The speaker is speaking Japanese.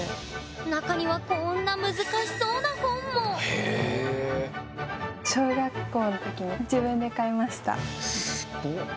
中にはこんな難しそうな本もすご。